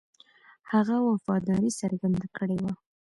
هغه وفاداري څرګنده کړې وه.